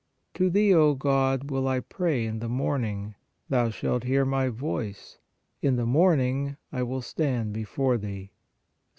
"To Thee (O God, ) will I pray in the morning. Thou shalt hear my voice. In the morning I will stand before Thee" (Ps.